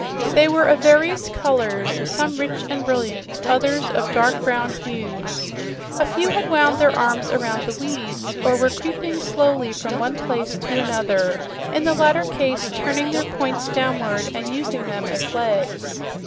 They were of various colors, some rich and brilliant, others of dark brown hues. A few had wound their arms around the weeds or were creeping slowly from one place to another, in the latter case turning their points downward and using them as legs.